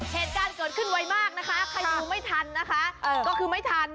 เหตุการณ์เกิดขึ้นไวมากนะคะใครดูไม่ทันนะคะก็คือไม่ทัน